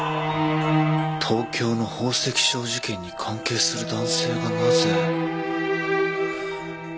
東京の宝石商事件に関係する男性がなぜ犬山で殺された？